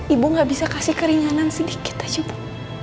ibu gak bisa kasih keringanan sedikit aja pak